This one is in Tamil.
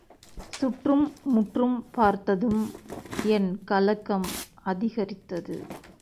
சுற்றும் முற்றும் பார்த்ததும் என் கலக்கம் அதிகரித்தது.